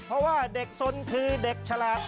เพราะว่าเด็กสนคือเด็กฉลาด